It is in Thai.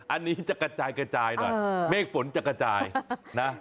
อันนี้จะกระจายกระจายหน่อยเมฆฝนจะกระจายนะ